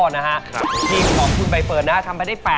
ในเกมรอบที่๒นี้นะครับ